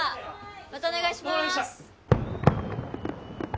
またお願いします！